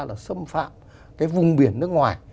là xâm phạm cái vùng biển nước ngoài